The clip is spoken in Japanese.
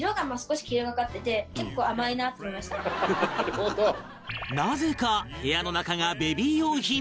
これはなぜか部屋の中がベビー用品だらけ